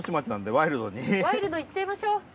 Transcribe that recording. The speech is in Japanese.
ワイルドいっちゃいましょう。